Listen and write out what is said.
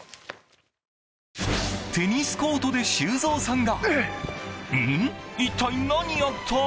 テニスコートで修造さんが。